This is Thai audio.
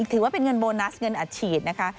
ถือว่าเป็นเงินโบนัสเงินอัดฉีดนะคะ